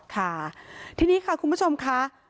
ค่ะทีนี้ค่ะคุณผู้ชมค่ะ